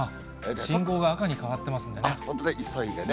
信号が赤に変わっていますの急いでね。